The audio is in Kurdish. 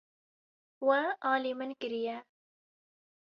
We alî min kiriye.